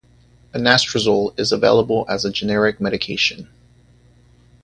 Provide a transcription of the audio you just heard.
Anastrozole is available as a generic medication.